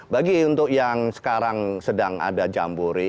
bagi untuk yang sekarang sedang ada jambore